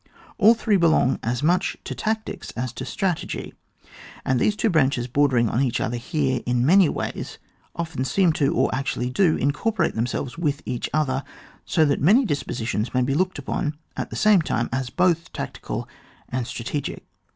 All three belong as much to tactics as to strategy, and these two branches, bordering on each other here in many ways, often seem ' to, or actually do, incorporate themselves with each other, so that many dispositions may be looked upon at the same time as both tactical and strategic.